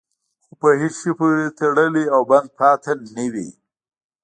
خو په هېڅ شي پورې تړلی او بند پاتې نه وي.